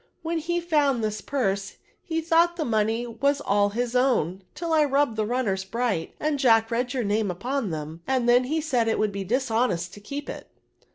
When he found this purse, he thought the money was all his own, till I rubbed the runners bright, and Jack read your name upon them; and then he said it would be dishonest to keep it.